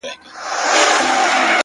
خورې ورې پرتې وي ـ